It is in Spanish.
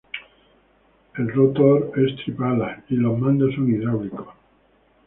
El rotor es tripala y los mandos son hidráulicos.